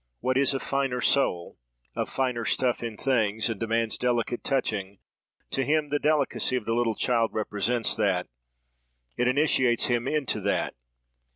What is of finer soul, of finer stuff in things, and demands delicate touching—to him the delicacy of the little child represents that: it initiates him into that.